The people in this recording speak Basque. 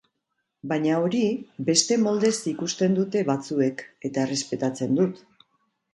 Baina hori, beste moldez ikusten dute batzuek, eta errespetatzen dut.